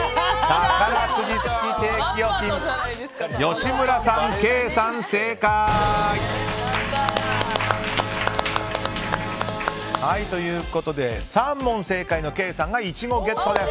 吉村さん、ケイさん、正解！ということで３問正解のケイさんがイチゴゲットです。